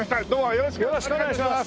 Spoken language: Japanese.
よろしくお願いします。